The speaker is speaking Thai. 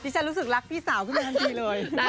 ฉันรู้สึกรักพี่สาวขึ้นไปทันทีเลย